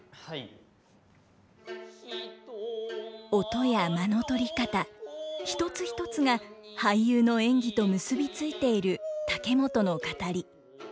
音や間の取り方一つ一つが俳優の演技と結び付いている竹本の語り。